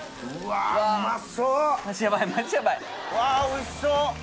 わおいしそう！